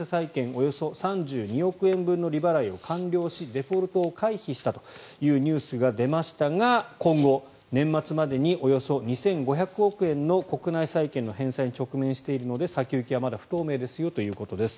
およそ３２億円分の利払いを完了しデフォルトを回避したというニュースが出ましたが今後、年末までにおよそ２５００億円の国内債権の返済に直面しているので先行きはまだ不透明ですよということです。